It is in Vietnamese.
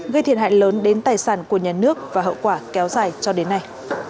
gây thiệt hại lớn đến tài sản của nhà nước và hậu quả kéo dài cho đến nay